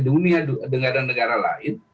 di dunia negara negara lain